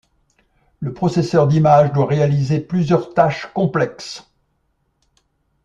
Le processeur d'images doit réaliser plusieurs tâches complexes.